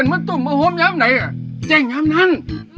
อันมันตุ่มมาห้มย้ำไหนอ่ะเจ๋งย้ำนั้น